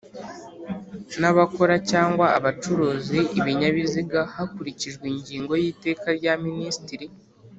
N abakora cyangwa abacuruza ibinyabiziga hakurikijwe ingingo y iteka rya ministri